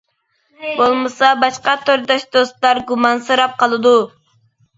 بولمىسا باشقا تورداش دوستلار گۇمانسىراپ قالىدۇ.